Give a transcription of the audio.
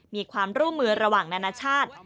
มีความร่วมมือระหว่างนานาชาติ